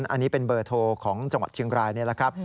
อันนี้เป็นเบอร์โทรของจังหวัดเชียงรายนี่แหละครับ